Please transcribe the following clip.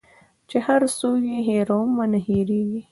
چي هر څو یې هېرومه نه هیریږي